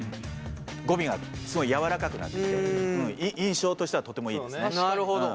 語尾がすごい柔らかくなってきて印象としてはとてもいいですね。